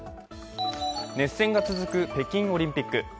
熱戦が続く北京オリンピック。